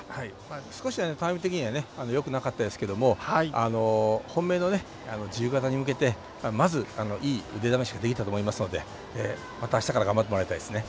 少しタイム的にはよくなかったですけども本命の自由形に向けてまず、いい腕試しができたと思いますのでまた、あしたから頑張ってもらいたいですね。